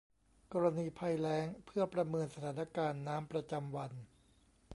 กรณีภัยแล้งเพื่อประเมินสถานการณ์น้ำประจำวัน